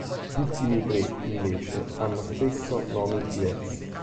Gli ultimi tre, invece, hanno spesso nomi diversi.